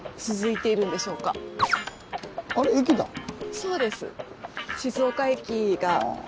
そうです。